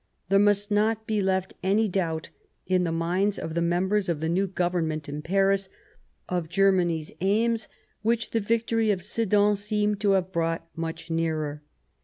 There must not \^ be left any doubt in the minds of the y members of the new Government in Paris of Ger ^"' many's aims which the victory of Sedan seemed j^ j to have brought much nearer.